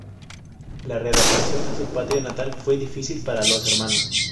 La readaptación a su patria natal fue difícil para los hermanos.